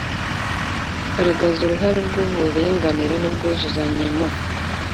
Garagaza uruhare rw’uburinganire n’ubwuzuzanye mu